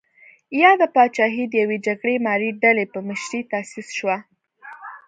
یاده پاچاهي د یوې جګړه مارې ډلې په مشرۍ تاسیس شوه.